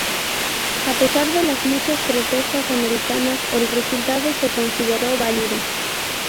A pesar de las muchas protestas americanas, el resultado se consideró válido.